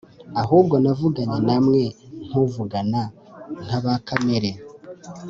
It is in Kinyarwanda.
ahubwo navuganye na mwe nk'uvugana n'aba kamere,